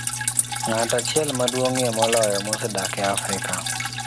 Ng'at achiel maduong'ie moloyo mosedak e Afrika